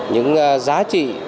những giá trị